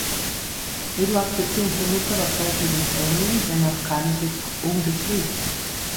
Eduards Beziehung zur Mutter war zeitlebens eng, wenn auch keineswegs ungetrübt.